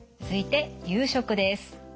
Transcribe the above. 続いて夕食です。